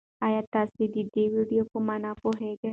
ایا تاسي د دې ویډیو په مانا پوهېږئ؟